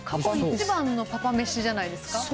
一番のパパめしじゃないですか。